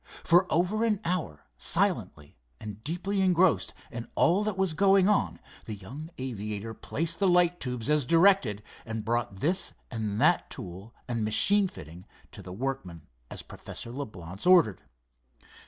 For over an hour, silently, and deeply engrossed in all that was going on, the young aviator placed the light tubes as directed, and brought this and that tool and machine fitting to the workmen as Professor Leblance ordered.